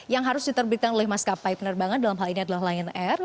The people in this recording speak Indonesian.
yang harus diterbitkan oleh maskapai penerbangan dalam hal ini adalah lion air